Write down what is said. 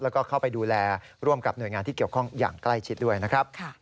แล้วก็เข้าไปดูแลร่วมกับหน่วยงานที่เกี่ยวข้องอย่างใกล้ชิดด้วยนะครับ